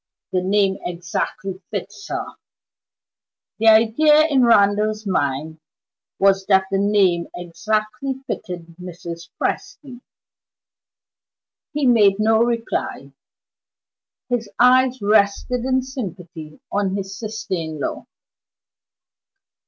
The name exactly fits her!" The idea in Randal's mind was that the name exactly fitted Mrs. Presty. He made no reply; his eyes rested in sympathy on his sister in law.